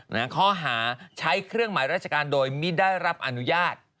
ข้อหาใช้เครื่องหมายราชการโดยไม่ได้รับอนุญาต